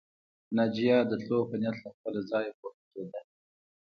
ناجيه د تلو په نيت له خپله ځايه پورته کېده